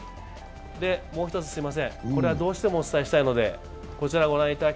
もう一つ、すいません、どうしてもお伝えしたいので。